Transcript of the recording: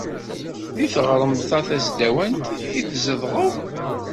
Deg taɣremt-a tasdawant i tzedɣeḍ?